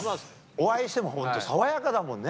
お会いしても本当、爽やかだもんね。